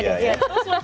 prancis kayaknya deh